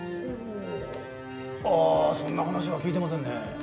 ああそんな話は聞いてませんね。